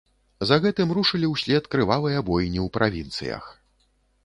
За гэтым рушылі ўслед крывавыя бойні ў правінцыях.